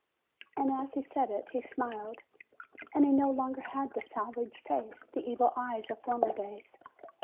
And as he said it, he smiled; and he no longer had the savage face, the evil eyes of former days.